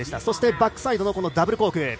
そしてバックサイドダブルコーク。